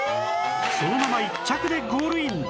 そのまま１着でゴールイン